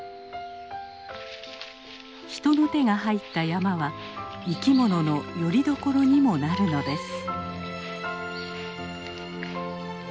人の手が入った山は生き物のよりどころにもなるのです。